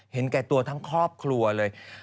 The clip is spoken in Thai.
เห็นแก่ตัวทั้งครอบครัวเลย